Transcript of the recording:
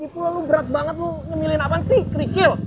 di pulau lo gerak banget lo ngemiliin apaan sih kerikil